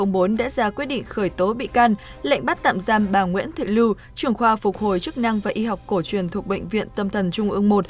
pc bốn đã ra quyết định khởi tố bị can lệnh bắt tạm giam bà nguyễn thị lưu trưởng khoa phục hồi chức năng và y học cổ truyền thuộc bệnh viện tâm thần trung ương một